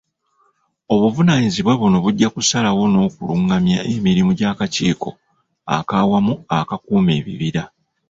Obuvunaanyizibwa buno bujja kusalawo n'okulungamya emirimu gy'Akakiiko ak'Awamu Akakuuma Ebibira.